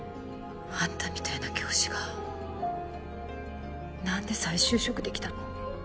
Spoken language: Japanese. あんたみたいな教師がなんで再就職できたの？